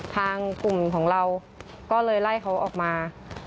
ทางกลุ่มของเราก็เลยไล่เขาออกมา